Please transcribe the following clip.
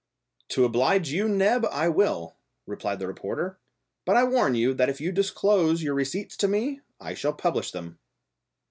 "To oblige you, Neb, I will," replied the reporter; "but I warn you that if you disclose your receipts to me, I shall publish them."